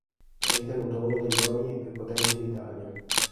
È ritenuto uno degli uomini più potenti d'Italia.